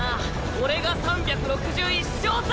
俺が３６１勝だ！